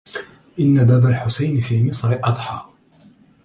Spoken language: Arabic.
ان باب الحسين في مصر أضحى